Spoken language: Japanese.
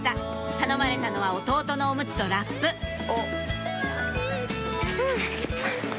頼まれたのは弟のオムツとラップふぅ。